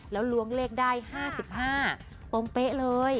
แล้วล้วงเลขได้๕๕ตรงเป๊ะเลย